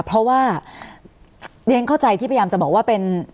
เพราะว่าเรียนเข้าใจที่พยายามจะบอกว่าเป็น